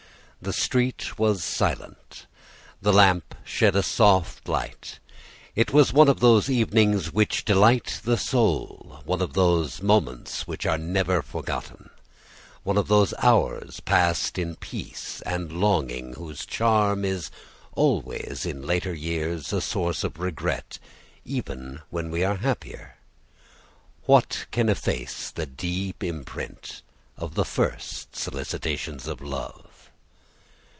The street was silent. The lamp shed a soft light. It was one of those evenings which delight the soul, one of those moments which are never forgotten, one of those hours passed in peace and longing, whose charm is always in later years a source of regret, even when we are happier. What can efface the deep imprint of the first solicitations of love?